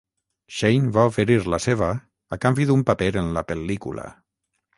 Shane va oferir la seva a canvi d'un paper en la pel·lícula.